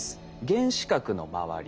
原子核の周り